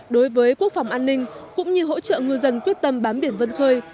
đối với quốc phòng an ninh cũng như hỗ trợ ngư dân quyết tâm bám biển vân khơi